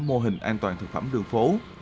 mô hình an toàn thực phẩm đường phố